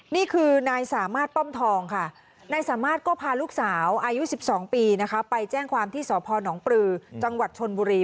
นี่คือนายสามารถป้อมทองค่ะนายสามารถก็พาลูกสาวอายุ๑๒ปีนะคะไปแจ้งความที่สพนปลือจังหวัดชนบุรี